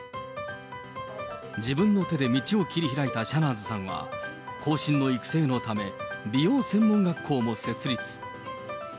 自分の手で道を切り開いたシャナーズさんは、後進の育成のため、美容専門学校も設立。